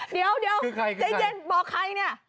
เดี๋ยวใจเย็นบอกใครเนี่ย